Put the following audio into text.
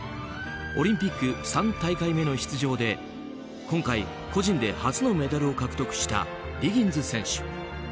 オリンピック３大会目の出場で今回、個人で初のメダルを獲得したディギンズ選手。